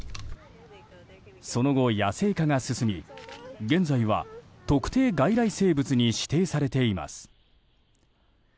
その後、野生化が進み現在は特定外来生物に指定されています。